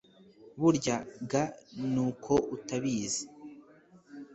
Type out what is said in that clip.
burya ga ni uko utabizi